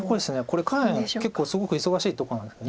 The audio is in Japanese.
これかなりの結構すごく忙しいとこなんですよね。